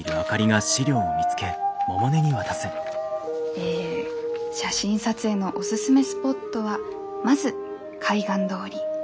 え写真撮影のおすすめスポットはまず海岸通り。